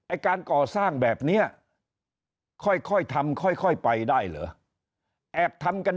การก่อสร้างแบบนี้ค่อยทำค่อยไปได้เหรอแอบทำกัน